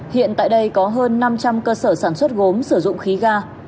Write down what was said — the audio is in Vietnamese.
hiện tại đây có hơn năm trăm linh cơ sở sản xuất gốm sử dụng khí ga